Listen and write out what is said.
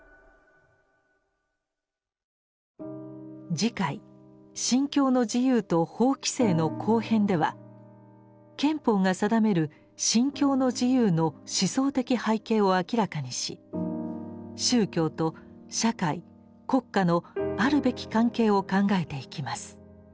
次回「『信教の自由』と法規制」の後編では憲法が定める「信教の自由」の思想的背景を明らかにし宗教と社会国家のあるべき関係を考えていきます。